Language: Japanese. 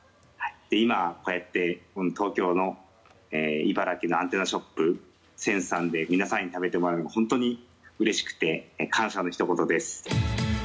今、こうやって東京の茨城のアンテナショップｓｅｎｓｅさんで皆さんに食べてもらえるのが本当にうれしくて感謝のひと言です。